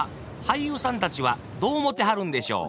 俳優さんたちはどう思てはるんでしょう？